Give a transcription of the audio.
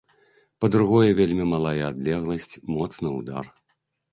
Па-другое, вельмі малая адлегласць, моцны ўдар.